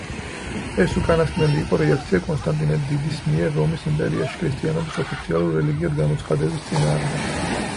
ეს უკანასკნელი იყო რეაქცია კონსტანტინე დიდის მიერ რომის იმპერიაში ქრისტიანობის ოფიციალურ რელიგიად გამოცხადების წინააღმდეგ.